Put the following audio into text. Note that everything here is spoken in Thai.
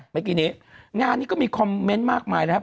เมื่อกี้นี้งานนี้ก็มีคอมเมนต์มากมายนะครับ